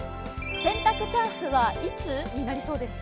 洗濯チャンスはいつになりそうですか？